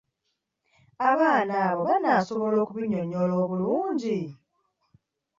Abaana abo banasobola okubinnyonnyola obulungi?